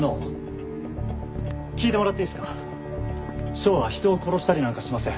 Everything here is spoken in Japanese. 翔は人を殺したりなんかしません。